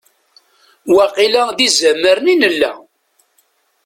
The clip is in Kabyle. Waqila d izamaren i nella.